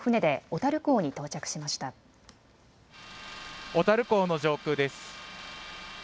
小樽港の上空です。